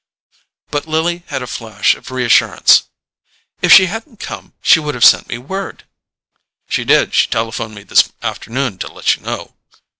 But Lily had a flash of reassurance. "If she hadn't come she would have sent me word——" "She did; she telephoned me this afternoon to let you know."